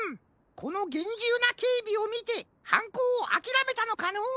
このげんじゅうなけいびをみてはんこうをあきらめたのかのう？